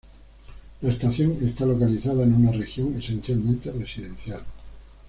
La estación está localizada en una región esencialmente residencial.